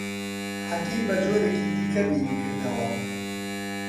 حەکیم بە جۆرێکی دیکە بیری کردەوە.